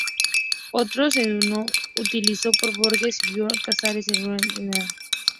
Otro seudónimo utilizado por Borges y Bioy Casares fue Benito Suárez Lynch.